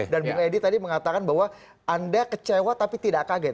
dan bung edi tadi mengatakan bahwa anda kecewa tapi tidak kaget